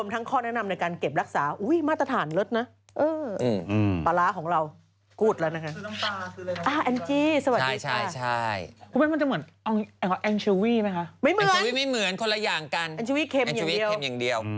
มักด้วยเกลืออย่างเดียว